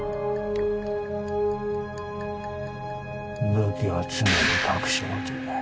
武器は常に隠し持て。